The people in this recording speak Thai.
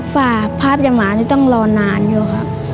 ฝ่าภาพยาหมานี่ต้องรอนานอยู่ครับ